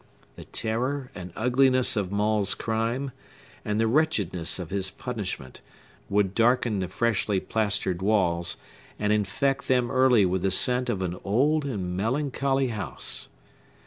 The terror and ugliness of Maule's crime, and the wretchedness of his punishment, would darken the freshly plastered walls, and infect them early with the scent of an old and melancholy house.